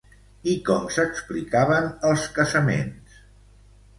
I com s'explicaven els casaments?